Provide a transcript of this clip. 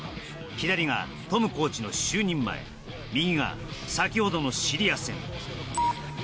左が、トムコーチの就任前右が、先ほどのシリア戦。